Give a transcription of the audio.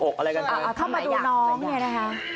เข้ามาดูน้องเนี่ยนะคะ